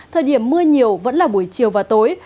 thời điểm mưa nhiều vẫn là buổi chiều và tối